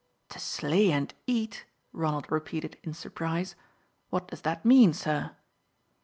"To slay and eat!" Ronald repeated in surprise. "What does that mean, sir?"